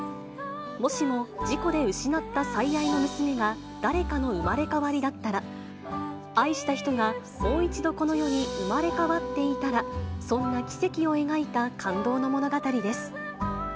もしも事故で失った最愛の娘が誰かの生まれ変わりだったら、愛した人がもう一度この世に生まれ変わっていたら、そんな奇跡を描いた感動の物語です。